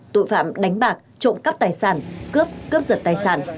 tội phạm đánh bạc trộm cắp tài sản cướp cướp giật tài sản